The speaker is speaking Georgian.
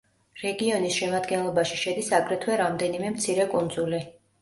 რეგიონის შემადგენლობაში შედის აგრეთვე რამდენიმე მცირე კუნძული.